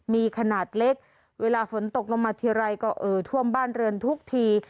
มีขนาดเล็กเวลาฝนตกลงมาทีไรก็เอ่อท่วมบ้านเรือนทุกที